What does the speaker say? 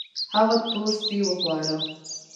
هغه تور سپي وخواړه